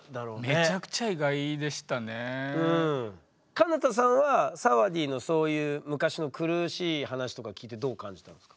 かな多さんはサワディーのそういう昔の苦しい話とか聞いてどう感じたんですか？